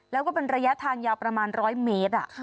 แล้วก็เป็นระยะทางยาวประมาณ๑๐๐เมตร